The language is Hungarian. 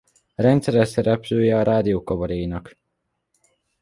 Rendszeres szereplője a Rádiókabarénak.